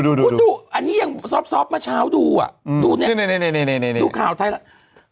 ดูอันนี้ยังซอฟต์มาเช้าดูอ่ะดูเนี่ยดูข่าวไทยแล้ว